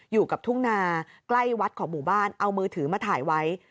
อยู่กับทุ่งนาใกล้วัดของหมู่บ้านเอามือถือมาถ่ายไว้